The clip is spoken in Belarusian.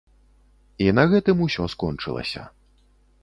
І на гэтым усё скончылася.